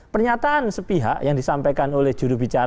pernyataan sepihak yang disampaikan oleh juru bintang